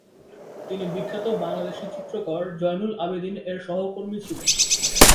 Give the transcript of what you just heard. তিনি বিখ্যাত বাংলাদেশী চিত্রকর জয়নুল আবেদীন এর সহকর্মী ছিলেন।